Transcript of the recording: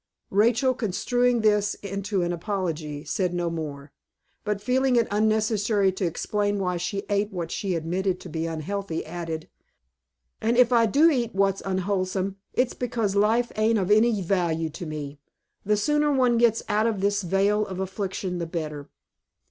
Rachel, construing this into an apology, said no more; but, feeling it unnecessary to explain why she ate what she admitted to be unhealthy, added, "And if I do eat what's unwholesome, it's because life ain't of any value to me. The sooner one gets out of this vale of affliction the better."